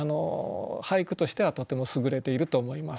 俳句としてはとてもすぐれていると思います。